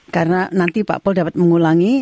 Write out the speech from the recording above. karena nanti pak paul dapat mengulangi